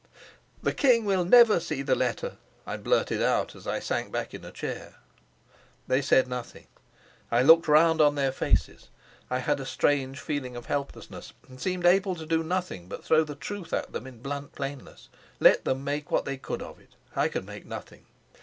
"The king will never see the letter," I blurted out, as I sank back in a chair. They said nothing. I looked round on their faces. I had a strange feeling of helplessness, and seemed to be able to do nothing but throw the truth at them in blunt plainness. Let them make what they could of it, I could make nothing.